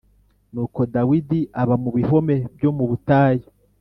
Nuko Dawidi aba mu bihome byo mu butayu